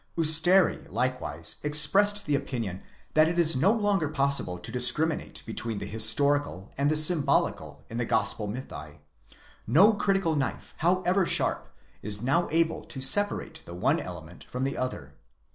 Usteri likewise expressed the opinion that it is no longer possible to discriminate between the historical and the symbolical in the gospel mythi; no critical knife however sharp is now able to separate the one element from. the other.